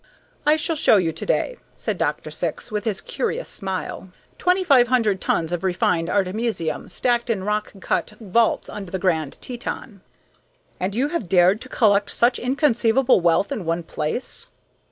"I shall show you to day," said Dr. Syx, with his curious smile, "2500 tons of refined artemisium, stacked in rock cut vaults under the Grand Teton." "And you have dared to collect such inconceivable wealth in one place?"